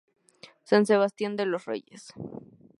San Sebastián de los Reyes.